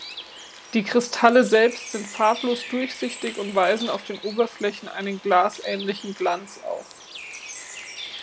Die Kristalle selbst sind farblos-durchsichtig und weisen auf den Oberflächen einen glasähnlichen Glanz auf.